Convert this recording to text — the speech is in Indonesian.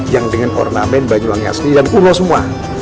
yang dengan ornamen banyuwangi asli dan kuno semua